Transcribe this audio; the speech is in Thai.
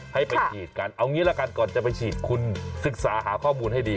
ให้ไปฉีดกันเอางี้ละกันก่อนจะไปฉีดคุณศึกษาหาข้อมูลให้ดี